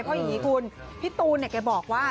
เพราะอย่างนี้คุณพี่ตูนเนี่ยแกบอกว่า